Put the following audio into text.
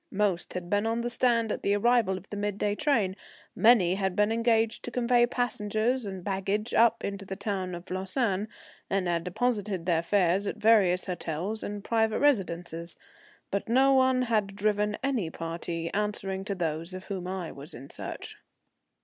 Most had been on the stand at the arrival of the midday train, many had been engaged to convey passengers and baggage up into the town of Lausanne, and had deposited their fares at various hotels and private residences, but no one had driven any party answering to those of whom I was in search.